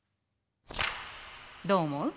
どう思う？